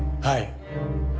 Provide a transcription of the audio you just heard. はい。